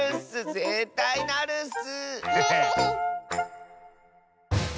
ぜったいなるッス！